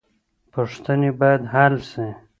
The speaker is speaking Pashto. پوښتنې بايد حل سي.